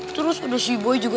terus ada si boi juga